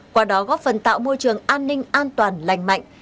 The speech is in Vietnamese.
qua đó góp phần tạo môi trường an ninh an toàn lành mạnh